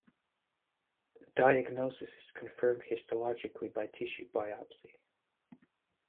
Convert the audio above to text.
Diagnosis is confirmed histologically by tissue biopsy.